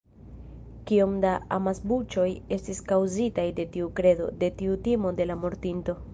Kiom da amasbuĉoj estis kaŭzitaj de tiu kredo, de tiu timo de la mortinto.